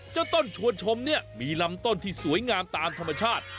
ต้นชวนชมเนี่ยมีลำต้นที่สวยงามตามธรรมชาติ